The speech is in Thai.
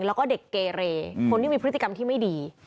แล้วก็เด็กเกเรคนที่มีพฤติกรรมที่ไม่ดี